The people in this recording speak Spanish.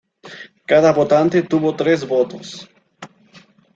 Cada votante tuvo tres votos.